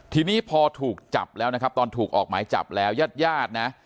ทีนี้พอถูกจับแล้วนะครับตอนถูกออกหมายจับแล้วยาดนะ